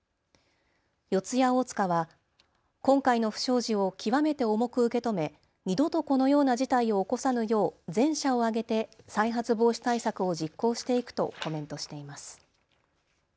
四谷大塚は今回の不祥事を極めて重く受け止め二度とこのような事態を起こさぬよう全社を挙げて再発防止対策を実行していくとコメントしています。